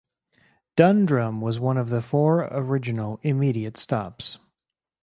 Dundrum was one of the four original intermediate stops.